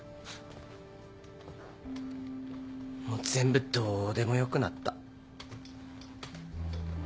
もう全部どうでもよくなった。